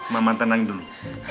mama tenang dulu